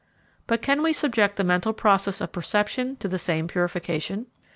But can we subject the mental process of perception to the same purification?